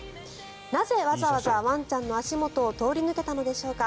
なぜ、わざわざワンちゃんの足元を通り抜けたのでしょうか。